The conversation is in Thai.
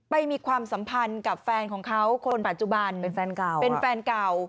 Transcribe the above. มีความสัมพันธ์กับแฟนของเขาคนปัจจุบันเป็นแฟนเก่าเป็นแฟนเก่า